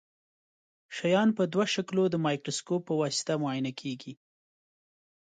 شیان په دوه شکلو د مایکروسکوپ په واسطه معاینه کیږي.